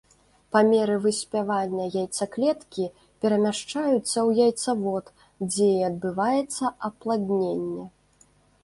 Па меры выспявання яйцаклеткі перамяшчаюцца ў яйцавод, дзе і адбываецца апладненне.